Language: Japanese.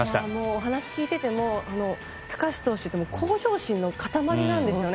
話を聞いてても高橋投手向上心の塊なんですよね。